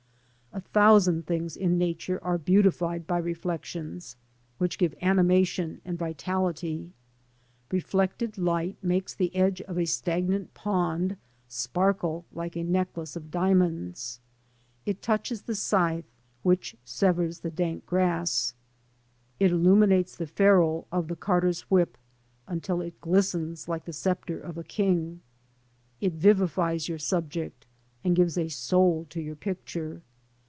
A thousand things in Nature are beautified by reflections, which give animation and vitality. Reflected light makes the edge of a stagnant pond sparkle like a necklace of diamonds. It touches the scythe which severs the dank grass; it illuminates the ferrule of the carter's whip until it glistens like the sceptre of a king; it vivifies your subject, and gives a soul to your picture.